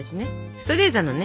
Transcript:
ストレーザのね